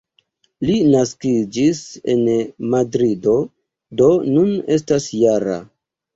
Li naskiĝis en Madrido, do nun estas -jara.